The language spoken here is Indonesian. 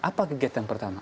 apa kegiatan pertama